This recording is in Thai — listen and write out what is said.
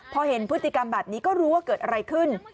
พอเห็นพฤติกรรมแบบนี้ก็รู้ว่าเกิดอะไรขึ้น